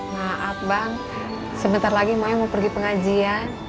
maaf bang sebentar lagi mai mau pergi pengajian